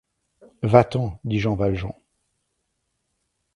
Va-t’en, dit Jean Valjean.